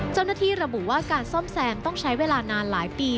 เจ้าหน้าที่ระบุว่าการซ่อมแซมต้องใช้เวลานานหลายปี